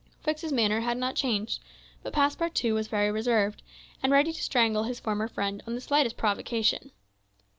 Fix's manner had not changed; but Passepartout was very reserved, and ready to strangle his former friend on the slightest provocation.